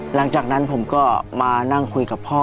หลังจากนั้นผมก็มานั่งคุยกับพ่อ